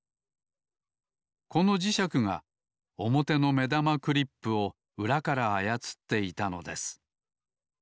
この磁石がおもての目玉クリップをうらからあやつっていたのです。